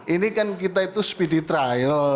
ini kan kita itu speedy trial